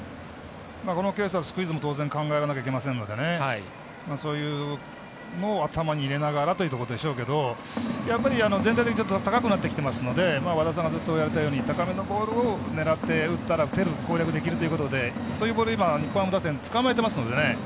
このケースはスクイズも当然考えなきゃいけないのでそういうのも頭に入れながらというところでしょうけどやっぱり、全体的に高くなってきてますので和田さんがずっと言われたように高めのボールを狙ったら打てる、攻略できるということでそういうボールつかまえてますのでね。